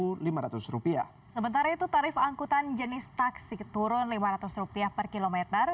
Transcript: sementara itu tarif angkutan jenis taksi turun rp lima ratus per kilometer